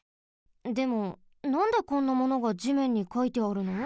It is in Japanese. でもなんでこんなものが地面にかいてあるの？